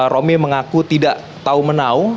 romi mengaku tidak tahu menau